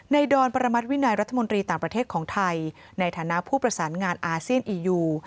ดอนประมัติวินัยรัฐมนตรีต่างประเทศของไทยในฐานะผู้ประสานงานอาเซียนอียู